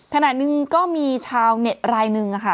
ขณะหนึ่งก็มีชาวเน็ตรายหนึ่งค่ะ